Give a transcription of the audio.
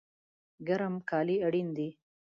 ګرم کالی اړین دي